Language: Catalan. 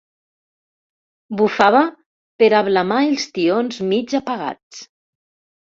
Bufava per ablamar els tions mig apagats.